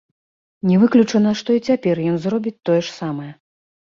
Не выключана, што і цяпер ён зробіць тое ж самае.